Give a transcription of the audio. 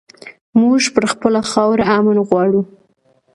مونږ پر خپله خاوره امن غواړو